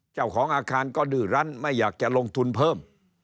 เจ้าของอาคารก็ดื้อรั้นไม่อยากจะลงทุนเพิ่ม